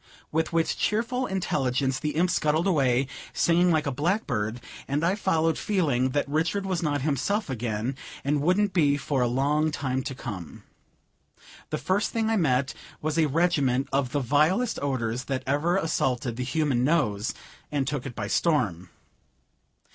With which cheerful intelligence the imp scuttled away, singing like a blackbird, and I followed, feeling that Richard was not himself again, and wouldn't be for a long time to come. The first thing I met was a regiment of the vilest odors that ever assaulted the human nose, and took it by storm.